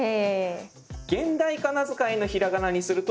現代仮名遣いのひらがなにすると？